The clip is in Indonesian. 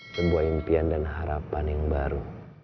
sebuah impian dan harapan yang baru